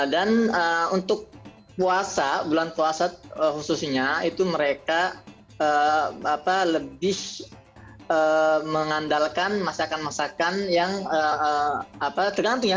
dan untuk puasa bulan puasa khususnya itu mereka lebih mengandalkan masakan masakan yang tergantung ya